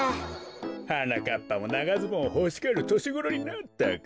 はなかっぱもながズボンほしがるとしごろになったか。